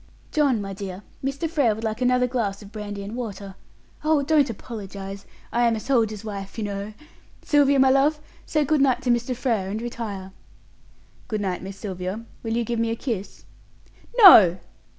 John, my dear, Mr. Frere would like another glass of brandy and water. Oh, don't apologize; I am a soldier's wife, you know. Sylvia, my love, say good night to Mr. Frere, and retire." "Good night, Miss Sylvia. Will you give me a kiss?" "No!"